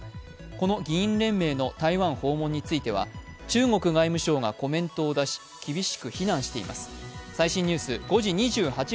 この議員連盟の台湾訪問については中国外務省がコメントを出し厳しく非難しています。